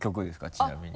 ちなみに。